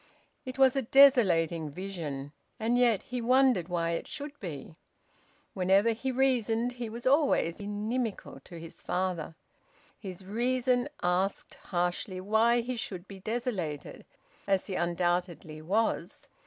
It was a desolating vision and yet he wondered why it should be! Whenever he reasoned he was always inimical to his father. His reason asked harshly why he should be desolated, as he undoubtedly was.